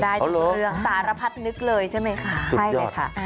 ได้เรื่องสารพัดนึกเลยใช่ไหมค่ะ